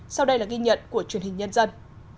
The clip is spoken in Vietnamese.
sau đây là ghi nhận của truyền hình nhân dân